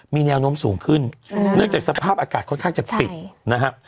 มีแนวโน้มสูงขึ้นเนื่องจากสภาพอากาศค่อนข้างจะปิดนะฮะ